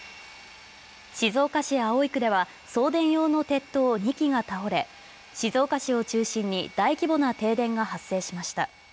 静岡市葵区では送電用の鉄塔２基が倒れ、静岡市を中心に大規模な停電が発生しました。